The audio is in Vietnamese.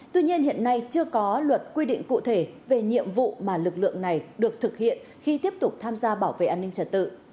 tuy nhiên hiện nay chưa có luật quy định cụ thể về nhiệm vụ mà lực lượng này được thực hiện khi tiếp tục tham gia bảo vệ an ninh trật tự